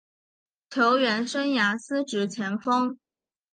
球员生涯司职前锋。